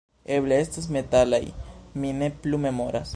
Eble estas metalaj, mi ne plu memoras